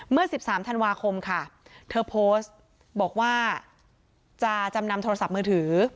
เมื่อ๑๓ธันวาคมค่ะเธอโพสต์บอกว่าจะจำนำโทรศัพท์มือถือ